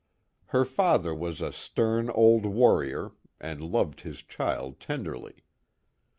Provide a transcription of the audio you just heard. Her faiher was a stern old warrior, and loved his child tenderly.